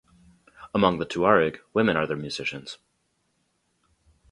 Among the Tuareg, women are the musicians.